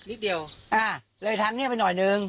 นิดเดียวอ่าเลยทางนี้ไปหน่อยนึง